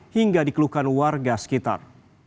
hingga dikeluhkan warga sekitar